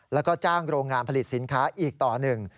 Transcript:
แล้วก็จ้างโรงงานผลิตสินค้าอีกต่อหนึ่ง